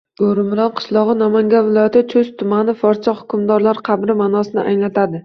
Go‘rimiron – q., Namangan viloyati Chust tumani. Forscha-hukmdorlar qabri» ma’nosini anglatadi.